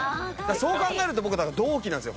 そう考えると僕同期なんですよ